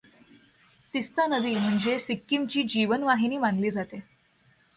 तिस्ता नदी म्हणजे सिक्कीमची जीवनवाहिनी मानली जाते.